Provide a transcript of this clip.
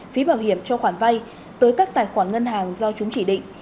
phí bảo hiểm cho khoản vay tới các tài khoản ngân hàng do chúng chỉ định